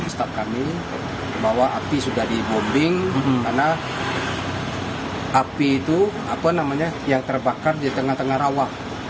staf kami bahwa api sudah dibombing karena api itu apa namanya yang terbakar di tengah tengah rawa